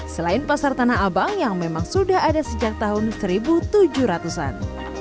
selain pasar tanah abang yang memang sudah ada sejak tahun seribu tujuh ratus an